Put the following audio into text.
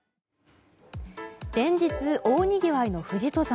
連日、大にぎわいの富士登山。